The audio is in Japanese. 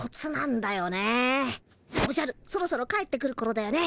おじゃるそろそろ帰ってくるころだよね。